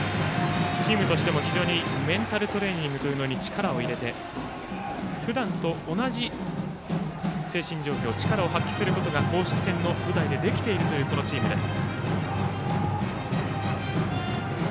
チームとしても非常にメンタルトレーニングに力を入れてふだんと同じ精神状況力を発揮することが公式戦の舞台でできているというチームです。